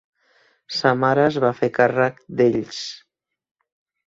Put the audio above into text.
Sa mare es va fer càrrec d'ells.